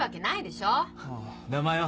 名前は？